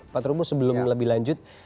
pak trubus sebelum lebih lanjut